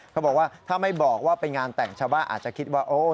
เขาบอกว่าถ้าไม่บอกว่าเป็นงานแต่งชาวบ้านอาจจะคิดว่าโอ้